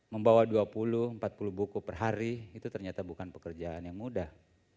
membawa dua puluh empat puluh buku per hari itu ternyata bukan pekerjaan yang mudah